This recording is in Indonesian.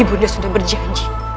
ibu nda sudah berjanji